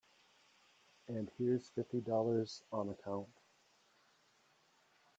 And here's fifty dollars on account.